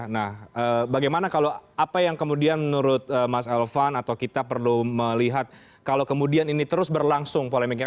nah bagaimana kalau apa yang kemudian menurut mas elvan atau kita perlu melihat kalau kemudian ini terus berlangsung polemiknya